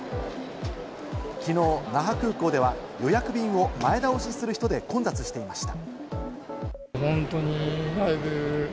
きのう那覇空港では予約便を前倒しする人で混雑していました。